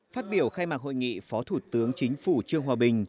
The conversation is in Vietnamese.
phát biểu khai mạc hội nghị phó thủ tướng chính phủ trương hòa bình